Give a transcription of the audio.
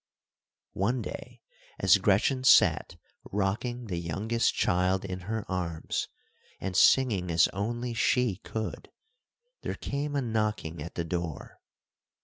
One day, as Gretchen sat rocking the youngest child in her arms, and singing as only she could, there came a knocking at the door.